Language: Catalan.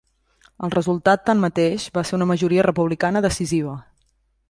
El resultat, tanmateix, va ser una majoria Republicana decisiva.